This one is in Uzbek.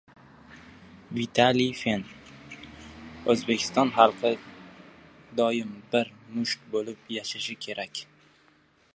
Vitaliy Fen: “O‘zbekiston xalqi doim bir musht bo‘lib yashashi kerak”